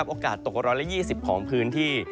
โอกาสตก๑๒๐ของพื้นที่